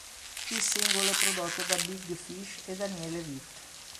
Il singolo è prodotto da Big Fish e Daniele Vit.